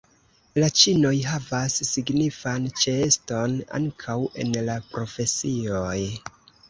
La ĉinoj havas signifan ĉeeston ankaŭ en la profesioj.